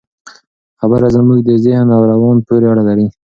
خبره زموږ د ذهن او روان پورې اړه لري.